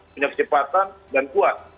punya kecepatan dan kuat